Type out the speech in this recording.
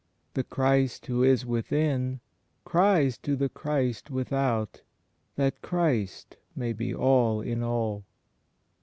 The Christ who is within cries to the Christ without, that Christ may be all in all.